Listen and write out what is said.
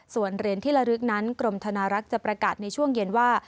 ส่วนเหรียญที่ระลึกนั้นกรมธนารักษ์จะประกาศในช่วงเย็นว่า